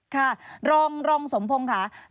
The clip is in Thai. ค่ะรองสมพงศ์ค่ะ